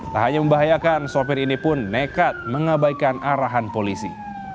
tak hanya membahayakan sopir ini pun nekat mengabaikan arahan polisi